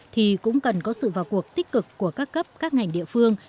thì cũng cần có sự vào cuộc tích cực của các cấp các ngành địa phương